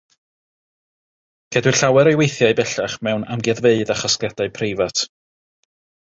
Cedwir llawer o'i weithiau bellach mewn amgueddfeydd a chasgliadau preifat.